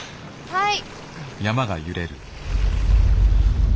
はい。